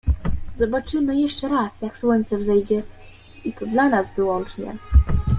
"Zobaczymy jeszcze raz, jak słońce wzejdzie, i to dla nas wyłącznie."